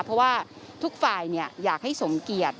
เพราะว่าทุกฝ่ายอยากให้สมเกียจ